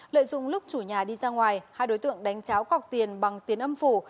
lợi dụng lúc chủ nhà đi ra ngoài hai đối tượng đánh cháo cọc tiền bằng tiền âm phủ